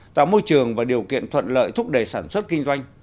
tạo môi trường và điều kiện thuận lợi thúc đẩy sản xuất kinh doanh